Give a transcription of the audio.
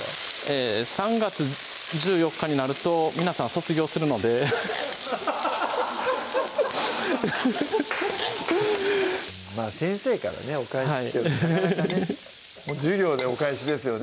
え３月１４日になると皆さん卒業するのでまぁ先生からねお返しってなかなかねもう授業でお返しですよね